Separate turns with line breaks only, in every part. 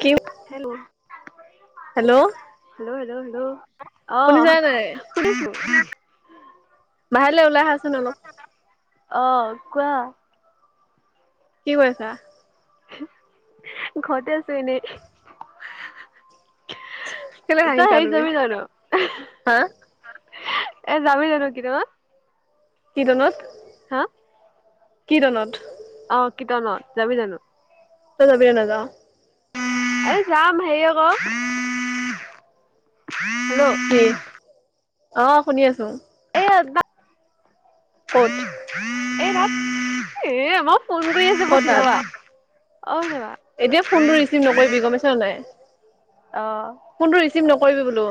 কি
hello
hello
hello hello hello
শুনিছা
অ',
নাই
শুনিছোঁ। [inaudible]
বাহিৰত এইফালে ওলাই আহাচোন অলপ।
অ কোৱা।
কি কৰি আছা?
ঘৰতে আছোঁ এনেই।
কেলে
তই
হাঁহিছা
হেৰিত
তুমি
যাবি জানোঁ?
হা
এ যাবি জানো [unintelligible]
[unintelligible]
হা?
[unintelligible]
অ', [unintelligible] যাবি জানোঁ?
তই যাবি [unintelligible] নাযাওঁ।
আৰে যাম হেৰি আকৌ হেল্ল'
কি অ শুনি আছো
এ বা
কত
এই ভাত এ ম ফোন কৰি আছে
ক'ত তাত
বকিলপা
এতিয়া ফোন টো ৰিচিভ নকৰিবি গম পাইছ নাই
অ
ফোনটো ৰি চিভ নকৰিবি বোলো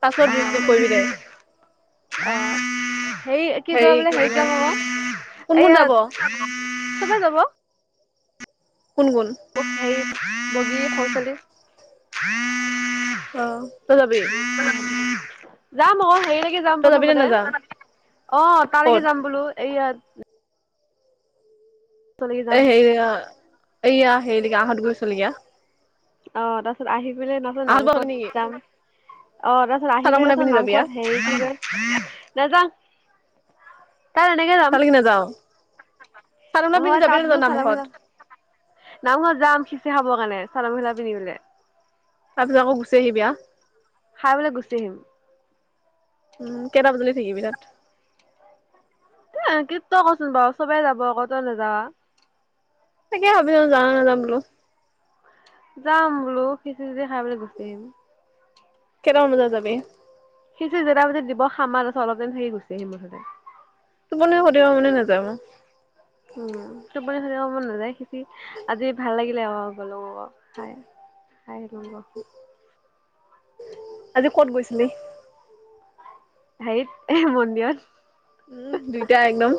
পাছত
অ
ৰিচিভ কৰিবি দে
অ সেই কি কয় বোলে হেৰি কব ক
কোন কোন
এয়া
যাব
চবে যাব
কোন কোন
বগি খোচালি
অ তই যাবি
যাম অক হেৰি যাম
তই যাবি নে
প্ৰথমতে
নাযা
অ তালৈকে
ক'ত
যাম বোলো এইয়াত যাম
এই হেৰিয় এইয়া হেৰিলেকে আহঁত গুৰি ওচৰলৈকে আহ।
অৱ তাৰ পিছত আহিব আহি পিনে নহ'লে
গাঁৱলৈ নেকি
নামঘৰত যাম। অ তাৰপিছত আহি
চাদৰ মেখেলা
পিনে
পিন্ধি যাবি আ
নামঘৰত হেৰি, কি কৰিম নেযাং।
তালেকে নাযাওঁ। চাদ মেখেলা
নহয়
পিন্ধি যাবি
তাত
নে
বোলো
নেযাওঁ নাম
চাদৰ মেখেলা
ঘৰত!
নামঘৰত যাম, খিচিৰি খাবৰ কাৰণে চাদৰ মখেলা পিন্ধিবলে।
তাৰ পিছত আকৌ গুচি আহিবি আ।
খাই পিনে গুচি আহিম।
উম কেইটা বজালে থাকিবি তাত
এ ত কচোন বাৰু চবে যাব আক তই নাযাৱা
তাকে ভাবিছো, জাও নাযাওঁ বোলো
যাম বোলো খিচিৰি চিচিৰি খাই পেলাই গুচি আহিম
কেইটা মান বজাত যাবি
খিচিৰি জেটা বজাত দিব খামাৰ আহ তাৰপিছত অলপ দিন থাকি গুচি আহি মুঠতে
টোপনি খতি হ'ব বোলি নাযায় মই
উম টোপনি খতি মন নাযায় খিচিৰি আজি ভাল লাগিলে অলপ গলো অক খাই খাই আহিলোঙ ক
আজি কত গৈছিলি
হাইত এ মন্দিৰত
উম দুইটা একদম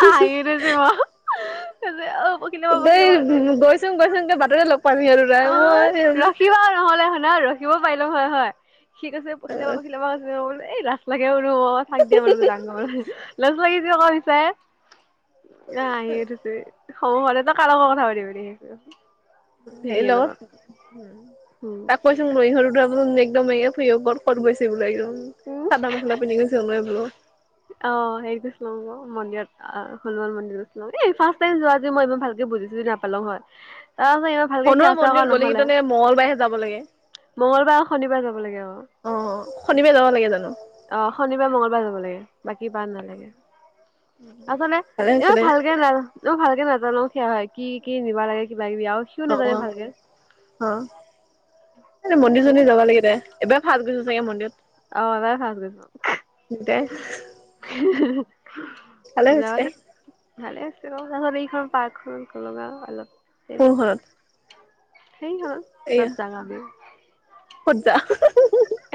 হাঁহি উঠিছে মো তাতে অপ
দেই গৈছোঙ গৈছোঙগে বাটতে লগ পামি আৰু তই মই
নাই ৰখিব পাৰিলো হয় হয় ঠিক আছে পখিলাবা পখিলাবা কৈছে অ বোলে এই লাষ্ট লাগে অ [unintelligible] থাক দিয়া বোলো যাঙগে মই লচ লাগিতিব [unintelligible] ক বিচায় আহ [unintelligible] ইছে স পাৰে তই কাৰ লগত কথা পাতিব [unintelligible]
হেল্লো' উম
উম
তাক কৈচোন ৰৈহ [unintelligible] একদম ফ [unintelligible] ব ক'ত ক'ত গৈছে বোলে একদম উম, চাদৰ মেখেলা পিন্ধি গৈছে [unintelligible] বো
অ', হেৰি গৈছিলোঙ আক' মন্দিৰত অ', হনুমান মন্দিৰত, এই ফাচ টাইম যোৱা যে মই ইমান ভালকে বুজিছো নাপালো হয় তাৰাছত ইমান ভালকে
হনুমান
সেৱা চেয়া
মন্দিৰত
কৰা
গ'লে
নহ'লে,
কিজানি মঙ্গলবাৰেহে যাব লাগে
মংগলবাৰ আৰু শনিবাৰ যাব লাগে অহ।
অ শনিবাৰে যাব লাগে জানো
অ শনিবাৰ মঙ্গলবাৰ যাব লাগে বাকী বা নালাগে আছানে
ভালে হৈছে
এ
দে
ভালকে লাল এ ভালকে লাল লং খীয়া হয় কি নিবা লাগে কি
অ অ অ এ মন্দিৰ চন্দিৰ যাবা লাগে দে এবাৰ ভাজ গৈছো চাগে মন্দিৰত
অ ভাজ গৈছো
দুটাই ভালে হৈছে দে
যাবাগে ভালে তত এইখন পাৰ্কখন লগা অলপ
টোৰ ঘৰত
সেই হল চব জাঙাব
খুটজা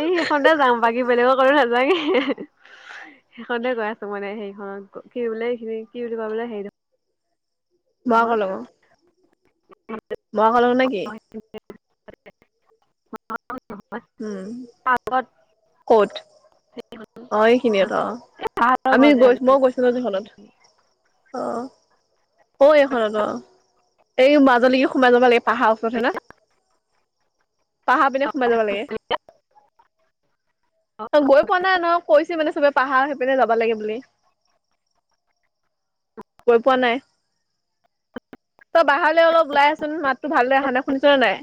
এই সেইখনতে যাম। বাকী বেলেগো কাৰো নাযায়ে, সেইখনতে গৈ আছো মানে সেইখনত কি বোলে এইখিনি কি বুলি কয় বোলে হেৰি
বাঘ ওলাব। [unintelligible]
[unintelligible]
উম,
পাৰ্কত
ক'ত? অ', এইখিনিত অ।
পাহাৰৰ
আমি
গছ
গৈ মই গৈছো ন সেখনত
যে
অ। অ', এইখনত অ। এই মাজ আলীকে সোমাই যাব লাগে। পাহাৰৰ ওচৰত হে না, পাহাৰৰ পিনে সোমাই যাব লাগে। অ', গৈ পোৱা নাই ন। কৈছে মানে চবে পাহাৰৰ সেইপিনে যাব লাগে বুলি, গৈ পোৱা নাই। তই বাহিৰলৈ অলপ ওলাই আহচোন, মাততো ভালদৰে অহা নাই, শুনিছ নে নাই?